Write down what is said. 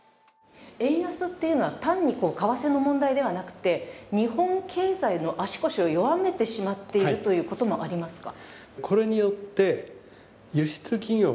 円安というのは単に為替の問題だけではなくて日本経済の足腰を弱めてしまっているということもありますか？